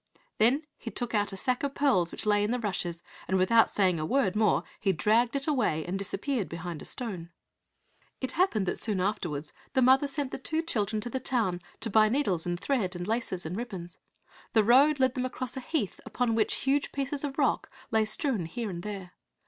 Then he took out a sack of pearls which lay in the rushes, and without saying a word more he dragged it away and disappeared behind a stone. It happened that soon afterwards the mother sent the two children to the town to buy needles and thread, and laces and ribbons. The road led them across a heath upon which huge pieces of rock lay strewn here and there.